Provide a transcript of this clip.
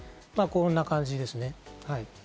こんな感じですね。